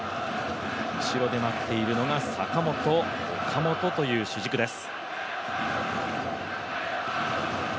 後ろで待っているのが坂本、岡本という主軸です。